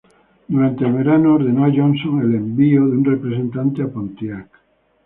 Durante el verano, ordenó a Johnson en envío de un representante a Pontiac.